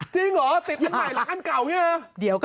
จริงเหรอ